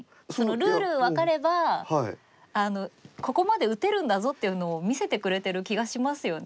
ルール分かればここまで打てるんだぞっていうのを見せてくれてる気がしますよね。